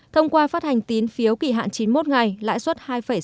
thông qua phát hành tín phiếu kỳ hạn chín mươi một ngày lãi suất hai sáu mươi